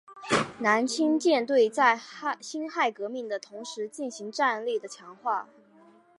南清舰队在辛亥革命的同时进行战力的强化。